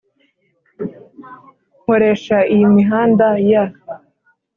nkoresha iyi mihanda ya